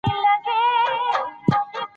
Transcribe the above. د بانک په داخل کې د نوبت سیستم مراعات کیږي.